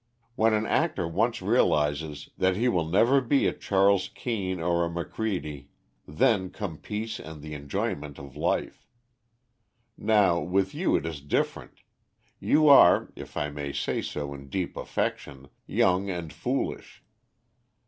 When an actor once realises that he will never be a Charles Kean or a Macready, then come peace and the enjoyment of life. Now, with you it is different: you are, if I may say so in deep affection, young and foolish.